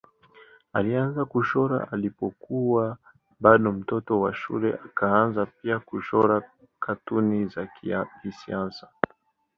Alianza kuchora alipokuwa bado mtoto wa shule akaanza pia kuchora katuni za kisiasa.